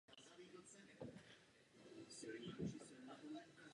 V Česku ho připravila do vysílání stanice Prima Love.